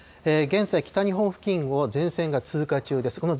現在、北日本付近を前線が通過中です。